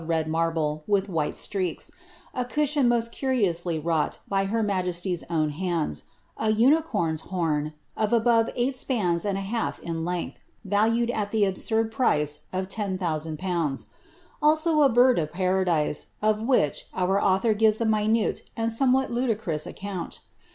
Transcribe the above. In this room, Hentzner describes a table of red marble with white streaks, a cushion most curiously wrought by her majesty's own hands, a unicorn's horn, of above eight spans and a half in length, valued at the absurd price of ten thousand pounds ; also, a bird of para dise, of which, our author gives a minute and somewhat ludicrous ac count.